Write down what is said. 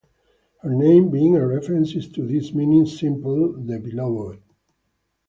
Her name being a reference to this, meaning simply "the beloved".